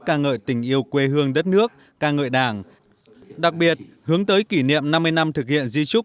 ca ngợi tình yêu quê hương đất nước ca ngợi đảng đặc biệt hướng tới kỷ niệm năm mươi năm thực hiện di trúc